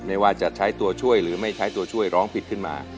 ไม่ว่าจะใช้ตัวช่วยหรือไม่ใช้ตัวช่วยร้องผิดขึ้นมา